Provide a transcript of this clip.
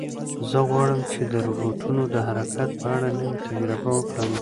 زه غواړم چې د روبوټونو د حرکت په اړه نوې تجربه وکړم.